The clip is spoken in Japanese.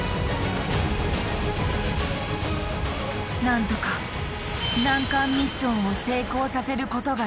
何とか難関ミッションを成功させることができた。